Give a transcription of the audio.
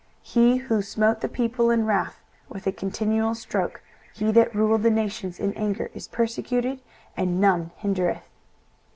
23:014:006 He who smote the people in wrath with a continual stroke, he that ruled the nations in anger, is persecuted, and none hindereth.